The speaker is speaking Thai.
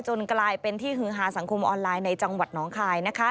กลายเป็นที่ฮือฮาสังคมออนไลน์ในจังหวัดน้องคาย